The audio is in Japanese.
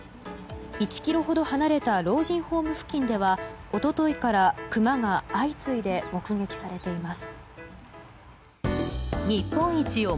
１ｋｍほど離れた老人ホーム付近では一昨日からクマが相次いで目撃されています。